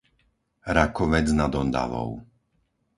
Rakovec nad Ondavou